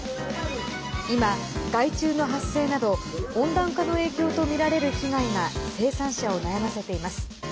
今、害虫の発生など温暖化の影響とみられる被害が生産者を悩ませています。